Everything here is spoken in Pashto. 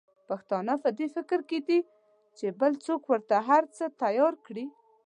پښتانه په دي فکر کې دي چې بل څوک ورته هرڅه تیار کړي.